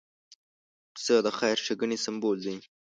پسه د خیر ښېګڼې سمبول دی.